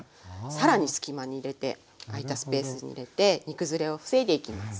更に隙間に入れて空いたスペースに入れて煮崩れを防いでいきます。